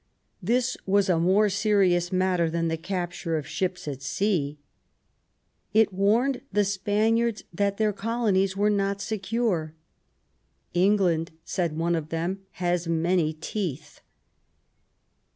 This was a more serious matter than the capture of ships at sea. It warned the Spaniards that their colonies were not secure, England/' said one of them, THE CRISIS 223 " has many teeth."